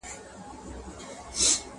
هوسېږو ژوندانه د بل جهان ته!.